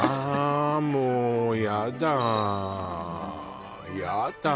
もうやだやだ